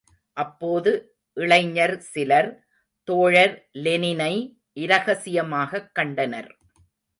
அப்போது இளைஞர் சிலர், தோழர் லெனினை இரகசியமாகக் கண்டனர்.